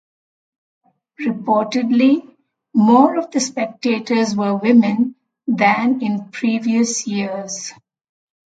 Reportedly more of the spectators were women than in previous years.